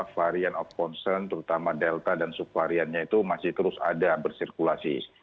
varian of concern terutama delta dan subvariannya itu masih terus ada bersirkulasi